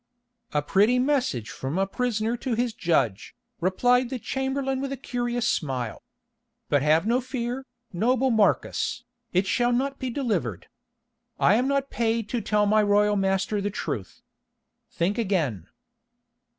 "A pretty message from a prisoner to his judge," replied the chamberlain with a curious smile. "But have no fear, noble Marcus, it shall not be delivered. I am not paid to tell my royal master the truth. Think again."